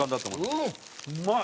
うんうまい！